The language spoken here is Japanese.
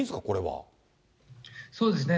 そうですね。